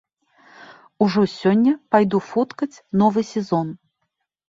Ужо сёння пайду фоткаць новы сезон.